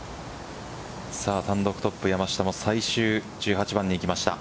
単独トップ山下の最終１８番にきました。